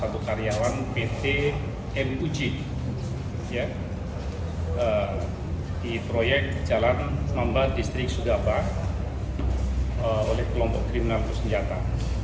satu karyawan pt muj di proyek jalan mamba distrik sugapa oleh kelompok kriminal bersenjata